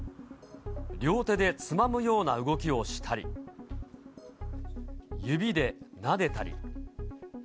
両手でつまむような動きをしたり、指でなでたり。